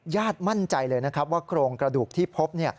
มั่นใจเลยนะครับว่าโครงกระดูกที่พบ